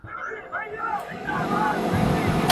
دا درې نومونه سره تړلي دي.